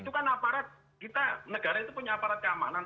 itu kan aparat kita negara itu punya aparat keamanan